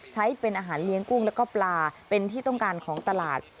ใช้เป็นอาหารเลี้ยงกุ้งแล้วก็ปลาเป็นที่ต้องการของตลาด